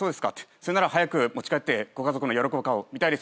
「それなら早く持ち帰ってご家族の喜ぶ顔見たいですよね」